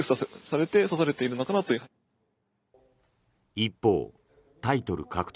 一方タイトル獲得